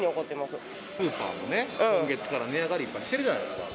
スーパーも今月から値上がりとかしてるじゃないですか。